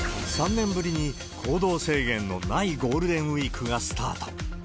３年ぶりに行動制限のないゴールデンウィークがスタート。